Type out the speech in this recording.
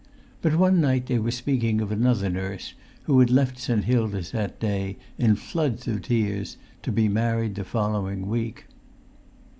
But one night they were speaking of another nurse, who had left St. Hilda's that day, in floods of tears, to be married the following week.